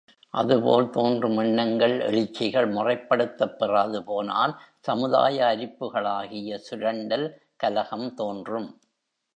அதுபோல், தோன்றும் எண்ணங்கள் எழுச்சிகள் முறைப்படுத்தப் பெறாது போனால் சமுதாய அரிப்புகளாகிய சுரண்டல், கலகம் தோன்றும்.